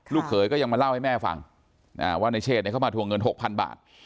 ลูกเขยก็ยังมาเล่าให้แม่ฟังอ่าว่าในเชษดเนี่ยเข้ามาทวงเงินหกพันบาท